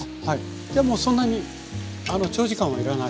じゃあもうそんなに長時間は要らない。